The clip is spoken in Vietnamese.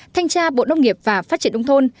thanh tra bộ nông nghiệp và phát triển nông thôn